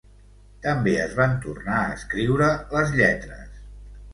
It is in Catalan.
També es van tornar a escriure les lletres.